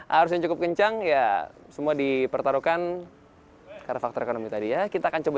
arus yang cukup kencang ya semua dipertaruhkan karena faktor ekonomi tadi ya kita akan coba